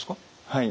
はい。